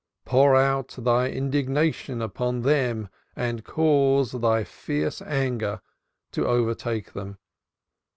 Pour out Thy indignation upon them and cause Thy fierce anger to overtake them.